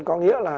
có nghĩa là